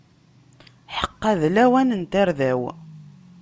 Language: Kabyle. Ḥeqqa d lawan n tarda-w!